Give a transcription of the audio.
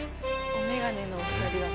お眼鏡のお二人だ。